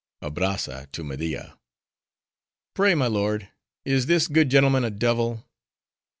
ABRAZZA (to Media)—Pray, my lord, is this good gentleman a devil?